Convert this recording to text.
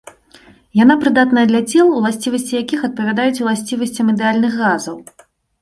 Яна прыдатная для цел, уласцівасці якіх адпавядаюць уласцівасцям ідэальных газаў.